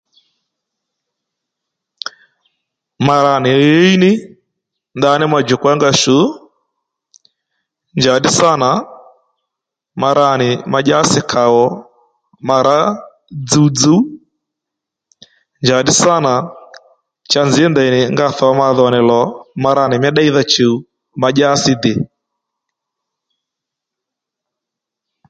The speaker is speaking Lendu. Ma ra nì hiy híy ní ndaní ma djòkpa nga shǔ njàddí sâ nà ma ra nì ma dyási kàò mà rǎ dzudzuw njàddí sâ nà cha nzǐ ndèy nì nga thǒ madhò nì lò ma ra nì mí ddéydha chùw ma dyǎsi dè